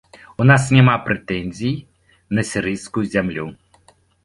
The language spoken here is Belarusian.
У нас няма прэтэнзій на сірыйскую зямлю.